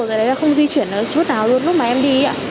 rồi đấy là không di chuyển ở chút nào luôn lúc mà em đi